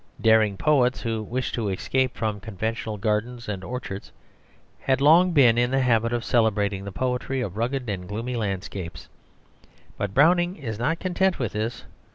Daring poets who wished to escape from conventional gardens and orchards had long been in the habit of celebrating the poetry of rugged and gloomy landscapes, but Browning is not content with this.